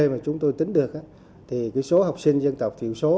mà chúng tôi tính được thì số học sinh dân tộc tiểu số